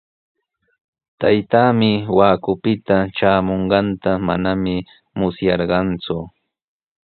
Taytaami Huacupita traamunanta manami musyarqaaku.